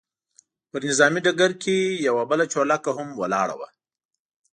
پر نظامي ډګر کې یوه بله چورلکه هم ولاړه وه.